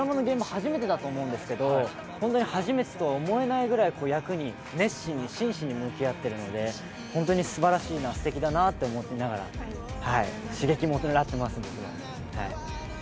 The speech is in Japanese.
初めてだと思うんですけど、初めてとは思えないぐらい役に熱心に、真摯に向き合っているので、ホントにすばらしいな、すてきなだなと思いながら、刺激をもらっています。